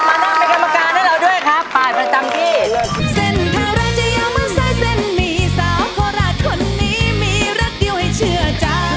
มานั่งเป็นกรรมการให้เราด้วยครับปล่อยประจำที่